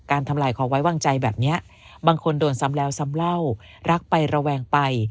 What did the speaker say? ทำลายความไว้วางใจแบบนี้บางคนโดนซ้ำแล้วซ้ำเล่ารักไประแวงไป